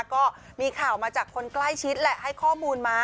ก็มีข่าวมาจากคนใกล้ชิดแหละให้ข้อมูลมา